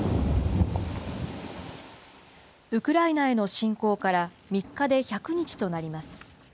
ウクライナへの侵攻から３日で１００日となります。